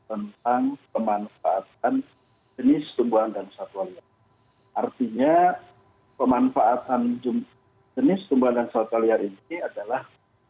tentang pemanfaatan jenis tumbuhan dan satwa liar artinya pemanfaatan jenis tumbuhan satwa liar ini adalah